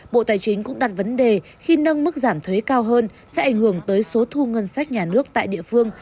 bộ tài chính cũng đặt vấn đề khi nâng mức giảm thuế cao hơn sẽ ảnh hưởng tới số thu ngân sách nhà nước tại địa phương